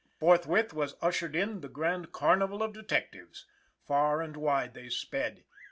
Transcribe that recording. Forthwith was ushered in the grand carnival of detectives. Far and wide they sped.